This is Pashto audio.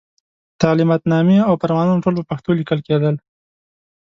تعلماتنامې او فرمانونه ټول په پښتو لیکل کېدل.